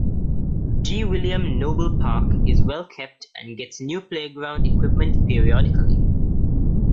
G. William Noble Park is well kept and gets new playground equipment periodically.